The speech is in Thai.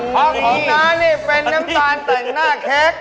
ของน้านี่เป็นน้ำจานแต่หน้าเค้ก